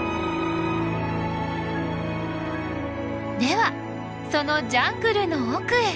ではそのジャングルの奥へ。